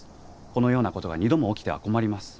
このようなことが２度も起きては困ります。